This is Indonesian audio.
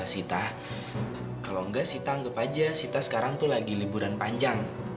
sita kalau enggak sih tanggap aja sita sekarang tuh lagi liburan panjang